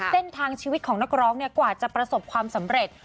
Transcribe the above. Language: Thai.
เส้นทางชีวิตของนักร้องกว่าจะประสบความสำเร็จ